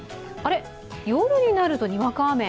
夜になるとにわか雨？